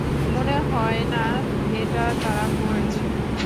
মনে হয় না এটা তারা করেছে!